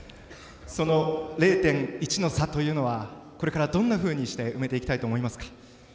その、０．１の差というのはこれからどんなふうにして埋めていきたいと思いますか？